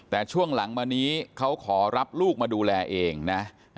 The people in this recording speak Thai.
แต่ช่วงหลังมานี้เขาขอรับลูกมาดูแลเองนะ